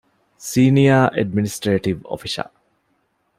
ސީނިޔަރ އެޑްމިނިސްޓްރޭޓިވް އޮފިޝަރ